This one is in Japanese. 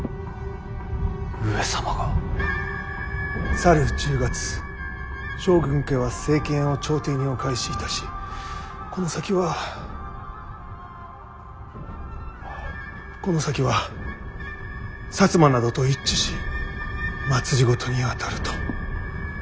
「去る１０月将軍家は政権を朝廷にお返しいたしこの先はこの先は摩などと一致し政にあたる」と。